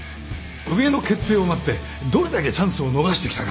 上の決定を待ってどれだけチャンスを逃してきたか。